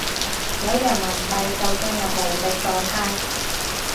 有人民幣就進入無敵狀態